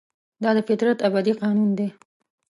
دا د فطرت ابدي قانون دی.